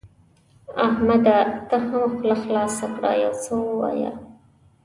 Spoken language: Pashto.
احمده ته هم خوله خلاصه کړه؛ يو څه ووايه.